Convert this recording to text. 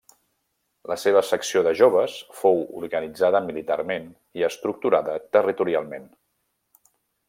La seva secció de Joves fou organitzada militarment i estructurada territorialment.